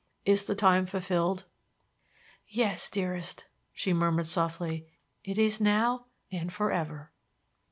Is the time fulfilled?" "Yes, dearest," she murmured softly. "It is now and for ever."